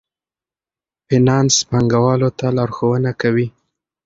فینانس پانګوالو ته لارښوونه کوي.